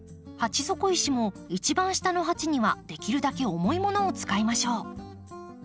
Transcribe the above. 鉢底石も一番下の鉢にはできるだけ重いものを使いましょう。